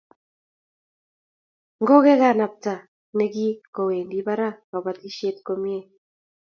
Ngokekanabta ni kowendi barak kobotisiet komie